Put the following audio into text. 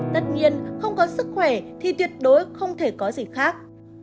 tất nhiên không có sức khỏe thì tuyệt đối không thể có gì khác